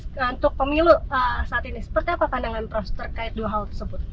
nah untuk pemilu saat ini seperti apa pandangan prof terkait dua hal tersebut